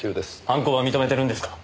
犯行は認めてるんですか？